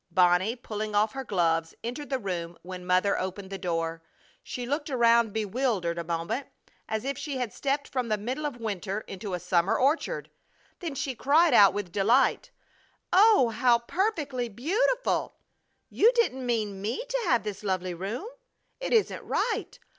Bonnie, pulling off her gloves, entered the room when Mother opened the door. She looked around bewildered a moment, as if she had stepped from the middle of winter into a summer orchard. Then she cried out with delight: "Oh! How perfectly beautiful! You don't mean me to have this lovely room? It isn't right!